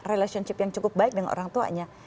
relationship yang cukup baik dengan orang tuanya